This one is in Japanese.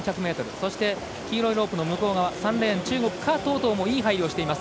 そして黄色いロープの向こう側３レーン、中国、華棟棟もいい入りしています。